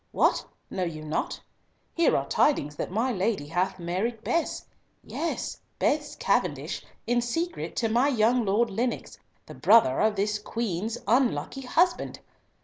—What! know you not? Here are tidings that my lady hath married Bess—yes, Bess Cavendish, in secret to my young Lord Lennox, the brother of this Queen's unlucky husband!